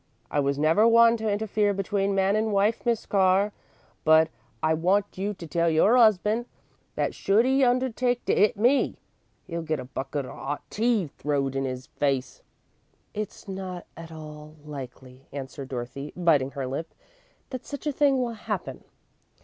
I was never one to interfere between man and wife, Miss Carr, but I want you to tell your 'usband that should 'e undertake to 'it me, 'e'll get a bucket of 'ot tea throwed in 'is face." "It's not at all likely," answered Dorothy, biting her lip, "that such a thing will happen."